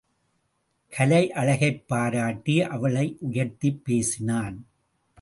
கலை அழகைப் பாராட்டி அவளை உயர்த்திப் பேசினான்.